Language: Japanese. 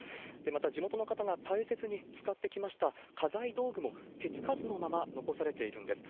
また、地元の方が大切に使ってきました家財道具も手つかずのまま残されているんです。